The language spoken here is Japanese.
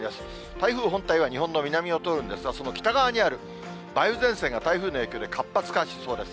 台風本体は日本の南を通るんですが、その北側にある梅雨前線が台風の影響で活発化しそうです。